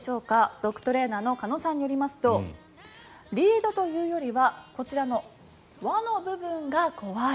ドッグトレーナーの鹿野さんによりますとリードというよりはこちらの輪の部分が怖い。